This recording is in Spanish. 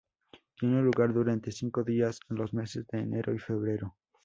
Tiene lugar durante cinco días en los meses de enero y febrero.